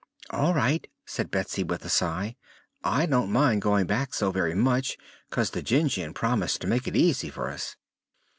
"All right," said Betsy, with a sigh; "I don't mind going back so very much, 'cause the Jinjin promised to make it easy for us."